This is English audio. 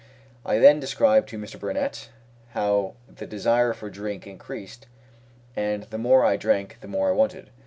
I then described to Mr. Burnett how the desire for drink increased, and the more I drank the more I wanted.